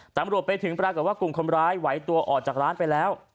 ตำรวจไปถึงปรากฏว่ากลุ่มคนร้ายไหวตัวออกจากร้านไปแล้ว